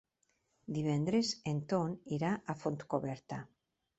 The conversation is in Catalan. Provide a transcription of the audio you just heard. Divendres en Ton irà a Fontcoberta.